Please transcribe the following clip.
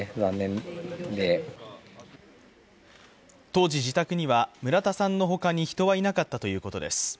当時、自宅には村田さんのほかに人はいなかったということです。